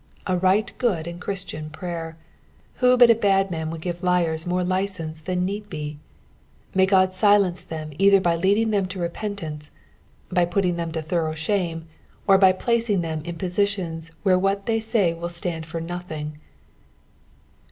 A Ti;{ht good and Christian prayer ; who but a bad man would give liars mora licence than need be t Ha; Qod silence them either bj leading them to repentance, by putting them to thorough shame, or b; placing tliem in poBitions where what thej may say will stand for nothing.